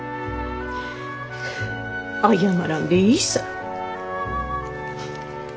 謝らんでいいさぁ。